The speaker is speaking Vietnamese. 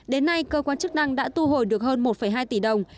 đến nay cơ quan chức năng đã thu hồi được hơn một hai tỷ đồng